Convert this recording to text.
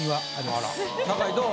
坂井どう？